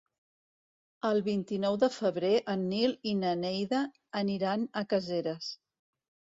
El vint-i-nou de febrer en Nil i na Neida aniran a Caseres.